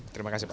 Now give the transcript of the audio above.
terima kasih pak